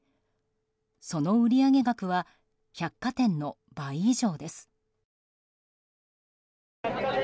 その売上額は百貨店の倍以上です。